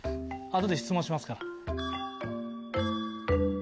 後で質問しますから。